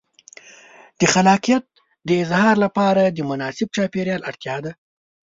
د خلاقیت د اظهار لپاره د مناسب چاپېریال اړتیا ده.